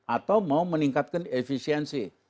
atau mau meningkatkan efisiensi